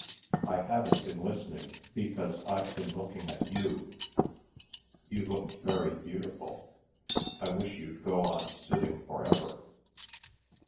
I haven't been listening, because I've been looking at you. You looked very beautiful; I wish you'd go on sitting for ever."